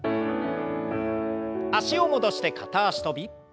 脚を戻して片脚跳び。